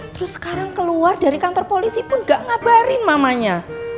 terus sekarang keluar dari kantor polisi pun gak ngabarin mamanya